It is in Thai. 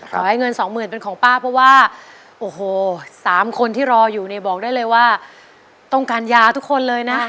ขอให้เงินสองหมื่นเป็นของป้าเพราะว่าโอ้โหสามคนที่รออยู่เนี่ยบอกได้เลยว่าต้องการยาทุกคนเลยนะ